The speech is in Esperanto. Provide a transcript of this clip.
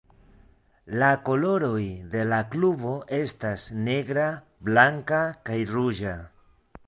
La koloroj de la klubo estas negra, blanka, kaj ruĝa.